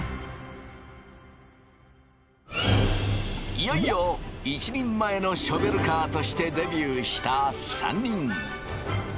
いよいよ一人前のショベルカーとしてデビューした３人。